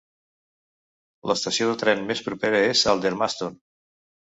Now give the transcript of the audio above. L"estació de ten més propera és Aldermaston.